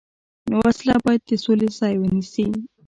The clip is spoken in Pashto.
وسله باید د سولې ځای ونیسي